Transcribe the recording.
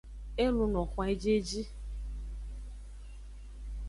E luno xwan ejieji.